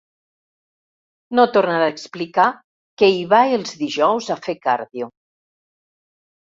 No tornarà a explicar que hi va els dijous a fer càrdio.